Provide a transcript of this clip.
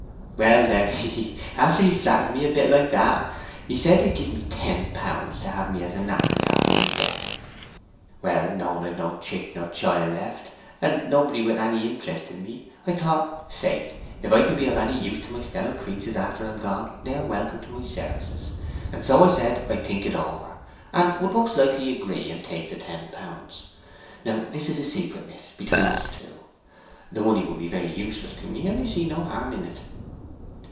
Well, then—hee, hee!—after he'd flattered me a bit like that, he said he'd give me ten pounds to have me as a natomy after my death. Well, knowing I'd no chick nor chiel left, and nobody with any interest in me, I thought, faith, if I can be of any use to my fellow creatures after I'm gone they are welcome to my services; so I said I'd think it over, and would most likely agree and take the ten pounds. Now this is a secret, miss, between us two. The money would be very useful to me; and I see no harm in it."